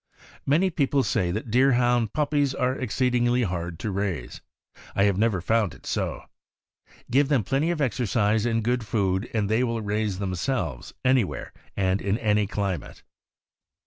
Many people say that Deerhound puppies are exceed ingly hard to raise. I have never found it so. Give them plenty of exercise and good food and they will raise them selves, anywhere and in any climate.